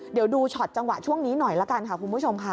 เดี๋ยวดูช็อตจังหวะช่วงนี้หน่อยละกันค่ะคุณผู้ชมค่ะ